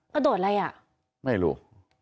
กระโดดอะไรอ่ะไม่รู้